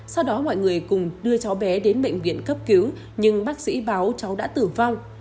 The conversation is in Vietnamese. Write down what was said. sau đó mọi người cùng đưa cháu bé đến bệnh viện cấp cứu nhưng bác sĩ báo cháu đã tử vong